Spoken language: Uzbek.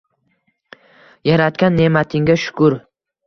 Yaratgan ne’matingga shukur!